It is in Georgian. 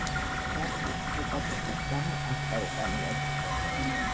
ჯარში ჰეპატიტის გამო არ წაუყვანიათ.